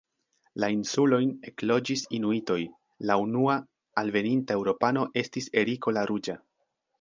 La insulojn ekloĝis inuitoj, la unua alveninta eŭropano estis Eriko la ruĝa.